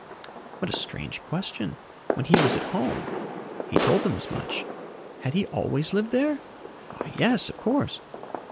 What a strange question when he was at home. He told them as much. Had he always lived there? Why, yes, of course.